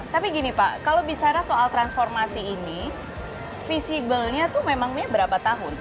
tapi gini pak kalau bicara soal transformasi ini visibelnya tuh memangnya berapa tahun